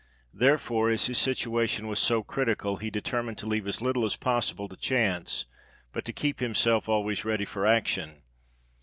There fore as his situation was so critical, he determined to "SI VIS PACEM PARA BELLUM." 91 leave as little as possible to chance, but to keep himself always ready for action.